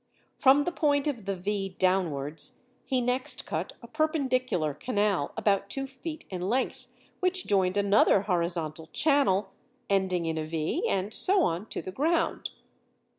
From the point of the V downwards he next cut a perpendicular canal about two feet in length, which joined another horizontal channel ending in a V, and so on to the ground.